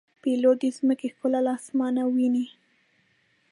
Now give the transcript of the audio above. پیلوټ د ځمکې ښکلا له آسمانه ویني.